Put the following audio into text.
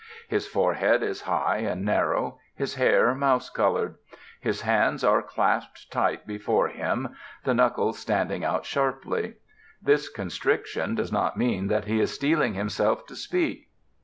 His forehead is high and narrow, his hair mouse colored. His hands are clasped tight before him, the knuckles standing out sharply. This constriction does not mean that he is steeling himself to speak.